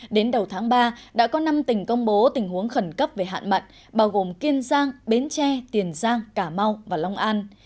đến đầu tháng ba đã có năm tỉnh công bố tình huống khẩn cấp về hạn mặn bao gồm kiên giang bến tre tiền giang cả mau và long an